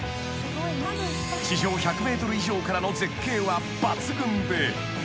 ［地上１００ｍ以上からの絶景は抜群で］